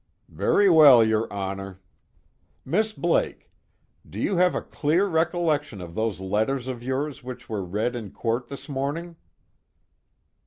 "Very well, your Honor. Miss Blake, do you have a clear recollection of those letters of yours which were read in court this morning?"